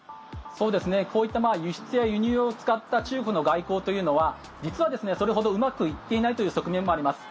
こういった輸出や輸入を使った中国の外交というのは実はそれほどうまくいっていないという側面もあります。